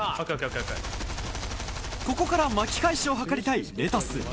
ここから巻き返しを図りたいれたす